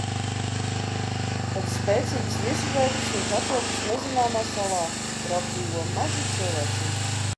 Pēc spēcīgas viesuļvētras viņš attopas nezināmā salā, kuru apdzīvo mazi cilvēciņi.